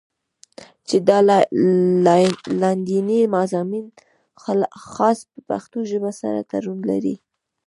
چې دا لانديني مضامين خاص د پښتو ژبې سره تړون لري